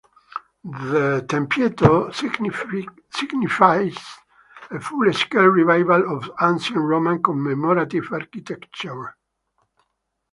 The Tempietto, signifies a full-scale revival of ancient Roman commemorative architecture.